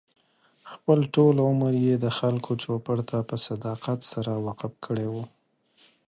خپل ټول عمر یې د خلکو چوپـړ ته په صداقت سره وقف کړی و.